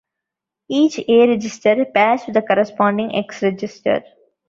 Each A register pairs with the corresponding X register.